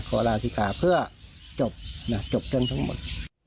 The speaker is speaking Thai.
ขอลาศิษย์ค่ะเพื่อจบกันทั้งหมด